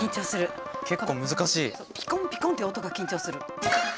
ピコンピコンっていう音が緊張する。